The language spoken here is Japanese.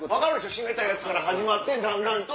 締めたやつから始まってだんだんと。